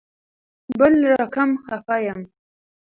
بل رقم خفه یم